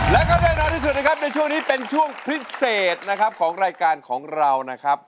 แล้วก็แน่นอนที่สุดนะครับในช่วงนี้เป็นช่วงพิเศษนะครับของรายการของเรานะครับ